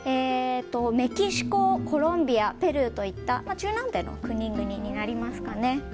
メキシコ、コロンビアペルーといった中南米の国々になりますかね。